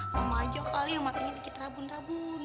mama aja kali yang matanya dikit rabun rabun